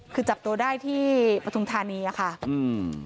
คือจับตัวได้ที่ปฐุมธานีอ่ะค่ะอืม